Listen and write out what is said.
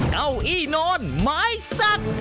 เก้าอี้นอนไม้สัก